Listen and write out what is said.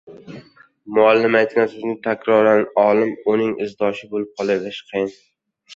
Muallim aytgan so‘zni takrorlash oilan uning izdoshi bo‘lib qolaverish qiyin.